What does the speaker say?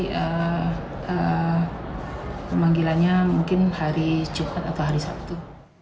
jadi pemanggilannya mungkin hari jokowi atau hari sabtu